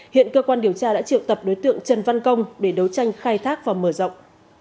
hiện cơ quan điều tra đã triệu tập đối tượng trần văn công để đấu tranh khai thác và mở rộng